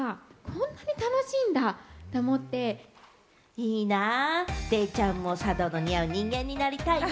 いいな、デイちゃんも茶道が似合う人間になりたいな。